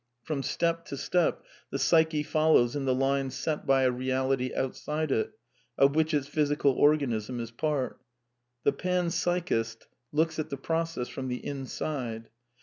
From step to «tep the psyche follows in the lines set by a reality out side it, of which its physical organism is part. The pan psychist looks at the process from the inside.